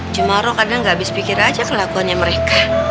cuma roh kadang gak habis pikir aja kelakuannya mereka